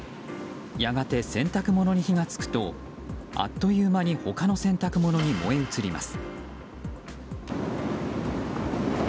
やがて洗濯物に火が付くとあっという間に他の洗濯物に燃え移ります。